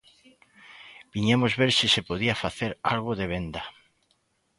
Viñemos ver se se podía facer algo de venda.